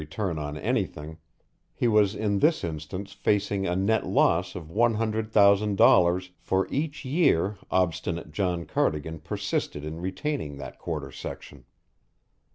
return on anything, he was in this instance facing a net loss of one hundred thousand dollars for each year obstinate John Cardigan persisted in retaining that quarter section.